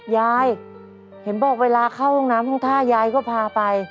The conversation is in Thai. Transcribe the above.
ยายเห็นบอกเวลาเข้าห้องน้ำห้องท่ายายก็พาไป